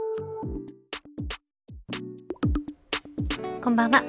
こんばんは。